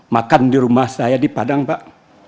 makan di rumah saya di padang pak